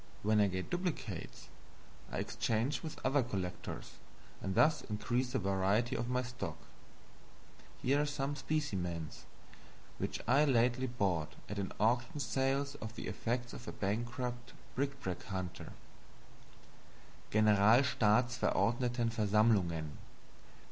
When I get duplicates, I exchange with other collectors, and thus increase the variety of my stock. Here are some specimens which I lately bought at an auction sale of the effects of a bankrupt bric a brac hunter: Generalstaatsverordnetenversammlungen.